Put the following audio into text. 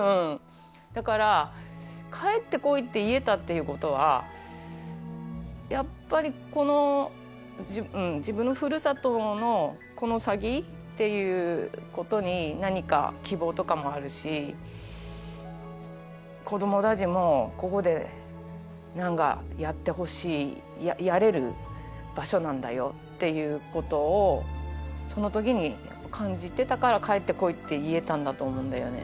だから帰ってこいって言えたっていうことはやっぱりこの自分のふるさとのこの先っていうことに何か希望とかもあるし子どもたちもここでなんかやってほしいやれる場所なんだよっていうことをそのときに感じてたから帰ってこいって言えたんだと思うんだよね。